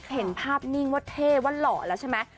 เห็นภาพนิ่งว่าเท่ว่าหล่อแล้วใช่ไหม